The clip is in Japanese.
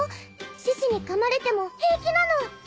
獅子にかまれても平気なの。